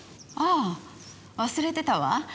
ああ忘れてたわ。